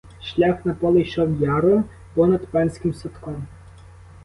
Шлях на поле йшов яром, понад панським садком.